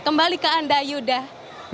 kembali ke anda yudha